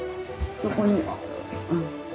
そこに。